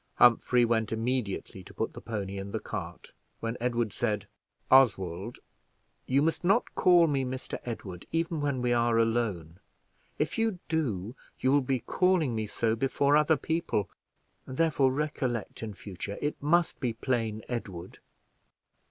Humphrey went immediately to put the pony in the cart, when Edward said, "Oswald, you must not call me Mr. Edward, even when we are alone: if you do you will be calling me so before other people, and, therefore, recollect in future, it must be plain Edward."